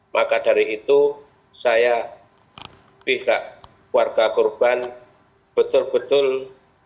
maka dari itu saya pihak warga korban betul betul yang dirugikan